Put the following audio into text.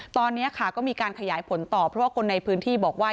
ตอนนี้ค่ะก็มีการขยายผลต่อเพราะว่าคนในพื้นที่บอกว่า